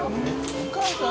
お母さん。